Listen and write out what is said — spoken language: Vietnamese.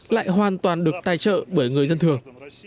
lại hoàn toàn được tài trợ bởi người dân thường